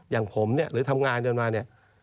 อย่างผมเนี่ยหรือทำงานกันมาเนี่ย